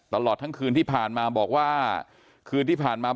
ซึ่งแต่ละคนตอนนี้ก็ยังให้การแตกต่างกันอยู่เลยว่าวันนั้นมันเกิดอะไรขึ้นบ้างนะครับ